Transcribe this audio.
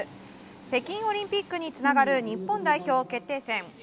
北京オリンピックにつながる日本代表決定戦。